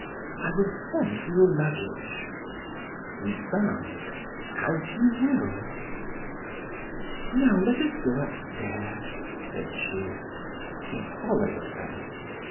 I will send for your luggage." He bowed. "As you will." "Now, let us go upstairs," said she; he followed her.